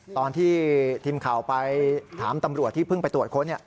ตอนที่ทีมข่าวไปถามตำรวจที่เพิ่งไปตรวจค้น